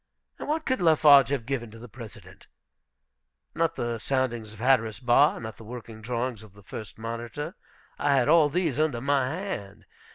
What could Lafarge have given to the President? Not the soundings of Hatteras Bar. Not the working drawings of the first monitor. I had all these under my hand.